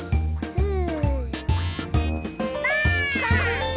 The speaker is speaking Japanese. うん？